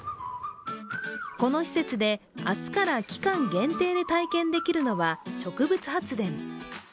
この施設で明日から期間限定で体験できるのは植物発電。